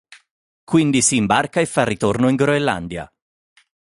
Quindi si imbarca e fa ritorno in Groenlandia.